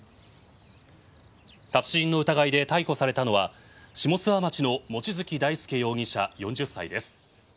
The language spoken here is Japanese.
殺人の疑いで逮捕されたのは下諏訪町の望月大輔容疑者４０歳です。